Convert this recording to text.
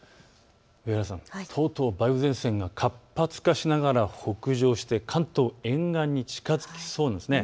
とうとう梅雨前線が活発化しながら北上して関東沿岸に近づきそうです。